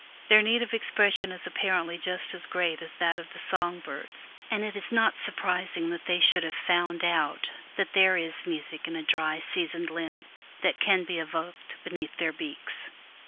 Their need of expression is apparently just as great as that of the song birds, and it is not surprising that they should have found out that there is music in a dry, seasoned limb which can be evoked beneath their beaks.